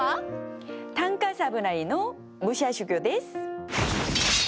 短歌侍の武者修行です。